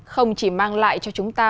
không chỉ mang lại cho chúng ta